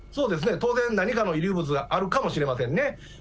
当然、何かの遺留物があるかもしれませんね。